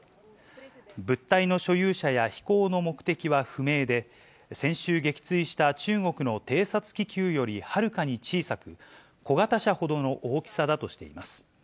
物体の所有者や飛行の目的は不明で、先週撃墜した中国の偵察気球よりはるかに小さく、小型車ほどの大きさだとしています。